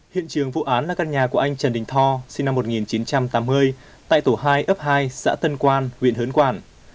hiện trường vụ án là căn nhà của anh trần đình tho sinh năm một nghìn chín trăm tám mươi tại tổ hai ấp hai xã tân quan huyện hớn quản